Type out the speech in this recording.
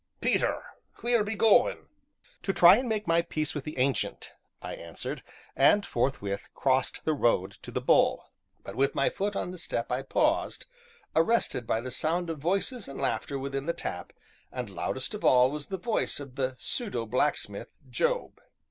"Peter, wheer be goin'?" "To try and make my peace with the Ancient," I answered, and forthwith crossed the road to "The Bull." But with my foot on the step I paused, arrested by the sound of voices and laughter within the tap, and, loudest of all, was the voice of the pseudo blacksmith, Job.